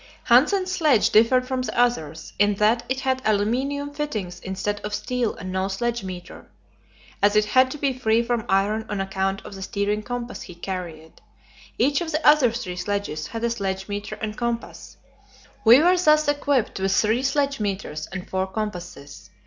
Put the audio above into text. Hanssen's sledge differed from the others, in that it had aluminium fittings instead of steel and no sledge meter, as it had to be free from iron on account of the steering compass he carried. Each of the other three sledges had a sledge meter and compass. We were thus equipped with three sledge meters and four compasses.